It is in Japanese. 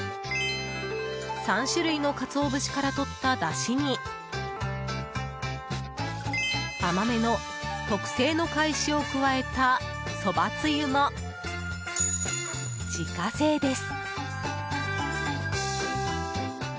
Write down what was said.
３種類のカツオ節からとっただしに甘めの特製のかえしを加えたそばつゆも自家製です。